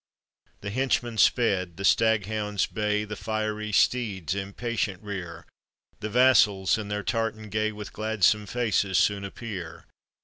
The henchman sped, the staghounds bay, The fiery steeds impatient rear, The vassals in their tartan gay, With gladsome faces soon appear.